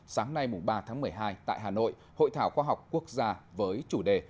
sáng nay ba tháng một mươi hai tại hà nội hội thảo khoa học quốc gia với chủ đề